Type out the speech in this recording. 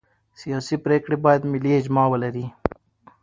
سیاسي پرېکړې باید ملي اجماع ولري